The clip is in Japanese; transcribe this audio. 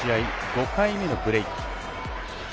５回目のブレーク。